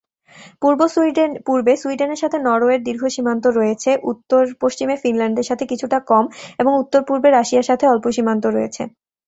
পূর্বে সুইডেনের সাথে নরওয়ের দীর্ঘ সীমান্ত রয়েছে, উত্তর পশ্চিমে ফিনল্যান্ডের সাথে কিছুটা কম এবং উত্তর-পূর্বে রাশিয়ার সাথে অল্প সীমান্ত রয়েছে।